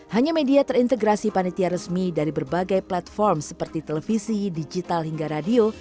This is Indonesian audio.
hanya media terintegrasi panitia resmi dari berbagai platform seperti televisi digital hingga radio